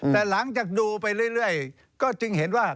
แต่หลังจากดูไปเรื่อยก็จึงเห็นว่า